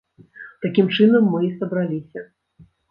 Такім чынам мы і сабраліся.